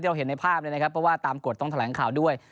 เราเห็นในภาพเลยนะครับเพราะว่าตามกฎต้องแถลงข่าวด้วย